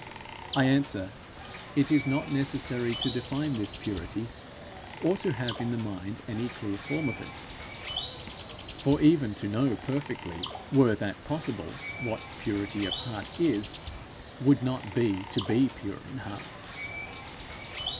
I answer, It is not necessary to define this purity, or to have in the mind any clear form of it. For even to know perfectly, were that possible, what purity of heart is, would not be to be pure in heart.